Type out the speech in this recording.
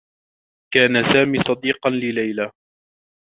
كان سامي صديقا لليلى.